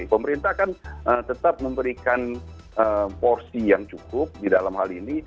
pemerintah kan tetap memberikan porsi yang cukup di dalam hal ini